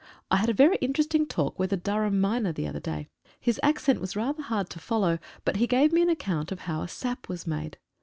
I had a very interesting talk with a Durham miner the other day. His accent was rather hard to follow, but he gave me an account of how a sap was made.